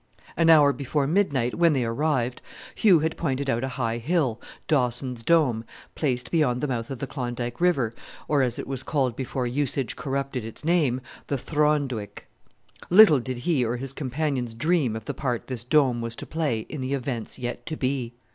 An hour before midnight, when they arrived, Hugh had pointed out a high hill, Dawson's Dome, placed beyond the mouth of the Klondike River, or, as it was called before usage corrupted its name, the Thron Duik. Little did he or his companions dream of the part this Dome was to play in the events yet to be!